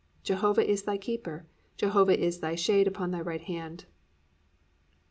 Jehovah is thy keeper: Jehovah is thy shade upon thy right hand."